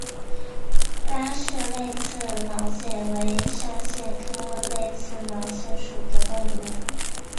拉氏泪刺毛蟹为扇蟹科泪刺毛蟹属的动物。